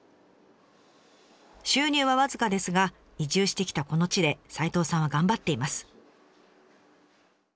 収入は僅かですが移住してきたこの地で齋藤さんは頑張っています。